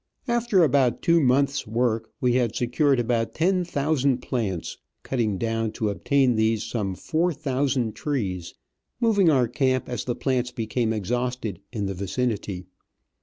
After about two months' work we had secured about ten thousand plants, cutting down to obtain these some four thousand trees, moving our camp as the plants became exhausted in the vicinity.